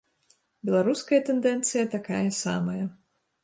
Беларуская тэндэнцыя такая самая.